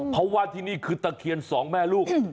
เขาว่าที่นี่คือตะเคียนสองแม่ลูก